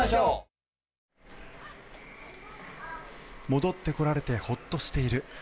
戻ってこられてホッとしている。